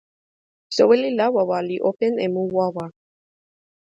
soweli Lawawa li open e mu wawa.